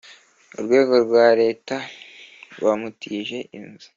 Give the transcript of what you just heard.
Urwego rwa Leta rwamutije inzu